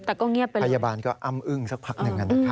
แต่ก็เงียบไปเลยพยาบาลก็อ้ำอึ้งสักพักหนึ่ง